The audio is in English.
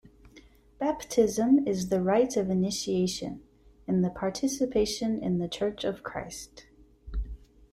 Baptism is the rite of initiation and the participation in the church of Christ.